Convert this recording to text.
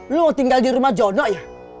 lu mau tinggal di rumah jono ya